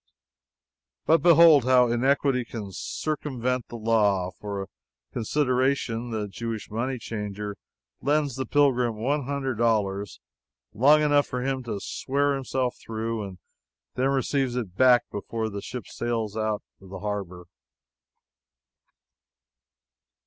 But behold how iniquity can circumvent the law! For a consideration, the Jewish money changer lends the pilgrim one hundred dollars long enough for him to swear himself through, and then receives it back before the ship sails out of the harbor!